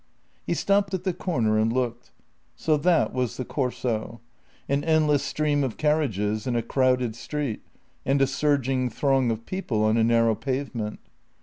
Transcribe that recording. He stopped at the corner and looked. So that was the Corso — an endless stream of carriages in a crowded street, and a surging throng of people on a narrow pavement.